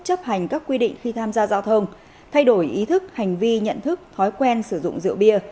chấp hành các quy định khi tham gia giao thông thay đổi ý thức hành vi nhận thức thói quen sử dụng rượu bia